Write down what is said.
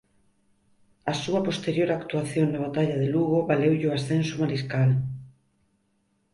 A súa posterior actuación na batalla de Lugo valeulle o ascenso a mariscal.